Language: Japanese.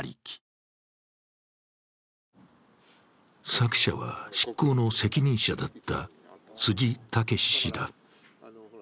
作者は、執行の責任者だった辻武司氏だ。